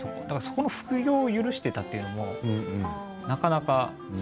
副業を許していたというのもなかなか。